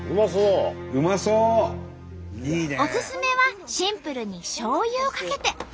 おすすめはシンプルにしょうゆをかけて。